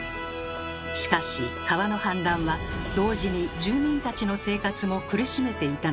しかし川の氾濫は同時に住民たちの生活も苦しめていたのです。